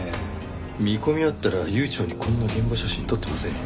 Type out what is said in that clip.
見込みあったら悠長にこんな現場写真撮ってませんよね。